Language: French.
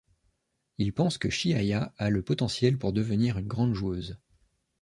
Il pense que Chihaya a le potentiel pour devenir une grande joueuse.